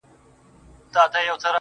زه يې په هر ټال کي اویا زره غمونه وينم~